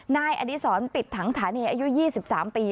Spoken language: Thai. นายอดีศรปิดถังฐานีอายุ๒๓ปี